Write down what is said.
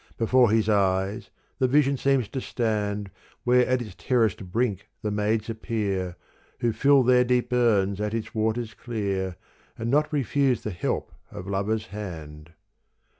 Before his eyes the vision seems to stand Where at its terraced brink the maids appear Who fill their deep urns at its waters clear And not refuse the help of lover's hand.